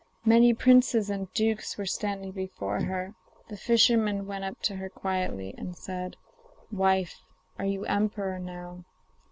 Many princes and dukes were standing before her. The fisherman went up to her quietly and said: 'Wife, are you emperor now?